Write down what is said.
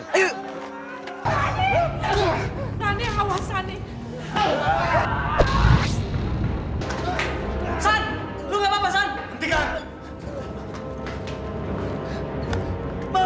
ini tempat canalmale madonna